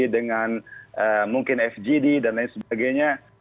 dengan mungkin fgd dan lain sebagainya